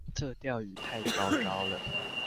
這釣魚太高招了